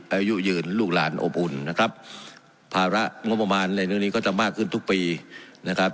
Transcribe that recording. อายุยืนลูกหลานอบอุ่นนะครับภาระงบประมาณในเรื่องนี้ก็จะมากขึ้นทุกปีนะครับ